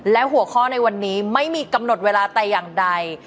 และหัวข้อในวันนี้ไม่มีกำหนดเวลาแต่อย่างใด